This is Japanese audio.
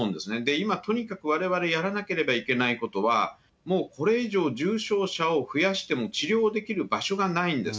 今、とにかくわれわれやらなければいけないことは、もうこれ以上、重症者を増やしても治療できる場所がないんです。